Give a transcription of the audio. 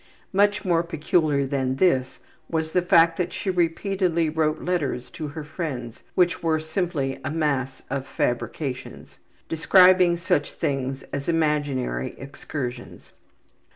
Much more peculiar than this was the fact that she repeatedly wrote letters to her friends which were simply a mass of fabrications, describing such things as imaginary excursions.